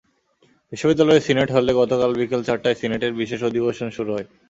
বিশ্ববিদ্যালয়ের সিনেট হলে গতকাল বিকেল চারটায় সিনেটের বিশেষ অধিবেশন শুরু হয়।